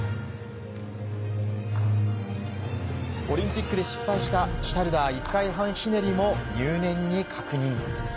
オリンピックで失敗したシュタルダー１回半ひねりも入念に確認。